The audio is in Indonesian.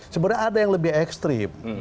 sebenarnya ada yang lebih ekstrim